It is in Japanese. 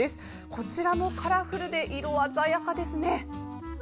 こちらもカラフルで色鮮やかですね。